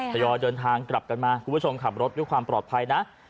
ยอยเดินทางกลับกันมาคุณผู้ชมขับรถด้วยความปลอดภัยนะ